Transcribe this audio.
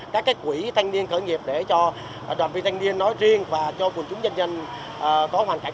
các quỹ thanh niên khởi nghiệp để cho đoàn viên thanh niên nói riêng và cho quần chúng dân dân có hoàn cảnh